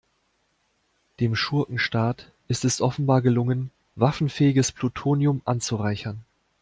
Dem Schurkenstaat ist es offenbar gelungen, waffenfähiges Plutonium anzureichern.